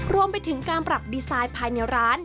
รวมไปถึงการปรับดีไซน์ภายในร้าน